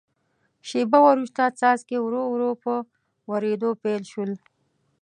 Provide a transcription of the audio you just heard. شیبه وروسته څاڅکي ورو ورو په ورېدو پیل شول.